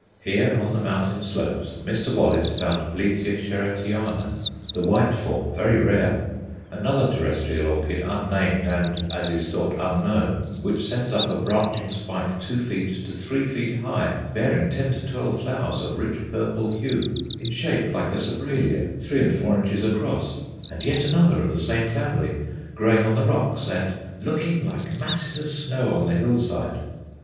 Here, on the mountain slopes, Mr. Wallace found Bletia Sherrattiana, the white form, very rare; another terrestrial orchid, unnamed and, as is thought, unknown, which sends up a branching spike two feet to three feet high, bearing ten to twelve flowers, of rich purple hue, in shape like a Sobralia, three and four inches across; and yet another of the same family, growing on the rocks, and "looking like masses of snow on the hill side."